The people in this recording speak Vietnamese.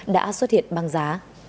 đã xuất hiện băng giá